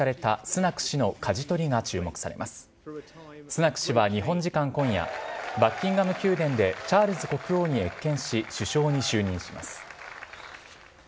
スナク氏は日本時間今夜、バッキンガム宮殿でチャールズ国王に謁見し、首相に就任します。